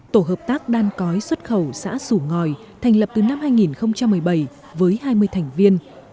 tổ hợp tác đan cói xuất khẩu xã sủ ngòi thành lập từ năm hai nghìn một mươi bảy với hai mươi thành viên